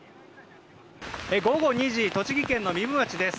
午後２時、栃木県の壬生町です。